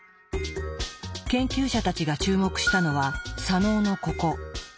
研究者たちが注目したのは左脳のここ。